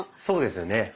そうですよね。